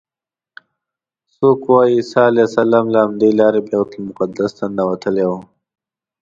څوک وایي عیسی علیه السلام له همدې لارې بیت المقدس ته ننوتلی و.